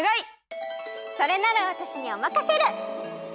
それならわたしにおまかシェル！